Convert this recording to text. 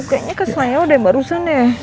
kayaknya kesayang dari barusan ya